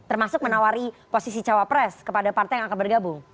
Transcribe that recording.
termasuk menawari posisi cawapres kepada partai yang akan bergabung